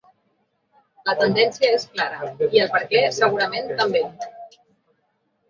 La tendència és clara, i el perquè, segurament, també.